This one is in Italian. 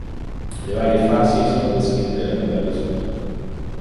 Le varie fasi sono descritte nella tabella sotto.